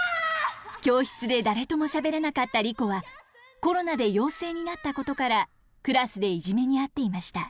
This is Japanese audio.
教室で誰ともしゃべらなかったリコはコロナで陽性になったことからクラスでいじめにあっていました。